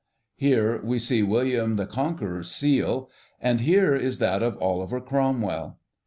Here we can see William the Conqueror's seal, and here is that of Oliver Cromwell.